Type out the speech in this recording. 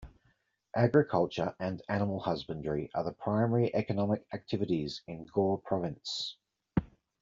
Agriculture and animal husbandry are the primary economic activities in Ghor Province.